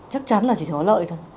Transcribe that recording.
chắc chắn là chỉ có lợi thôi